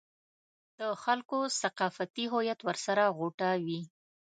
د خلکو ثقافتي هویت ورسره غوټه وي.